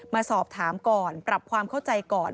มาสอบถามก่อนปรับความเข้าใจก่อน